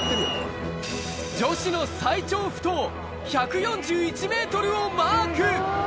女子の最長不倒、１４１メートルをマーク。